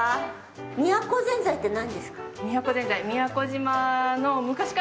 宮古ぜんざいって何ですか。